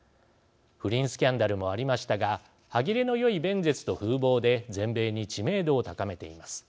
不倫スキャンダルもありましたが歯切れのよい弁舌と風貌で全米に知名度を高めています。